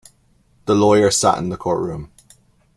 The lawyer sat in the courtroom.